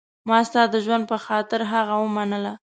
ما ستا د ژوند په خاطر هغه ومنله.